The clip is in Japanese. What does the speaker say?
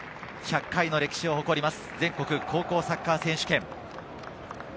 １００回の歴史を誇ります全国高校サッカー選手権。